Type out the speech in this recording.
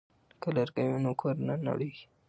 که لرګی وي نو کور نه نړیږي.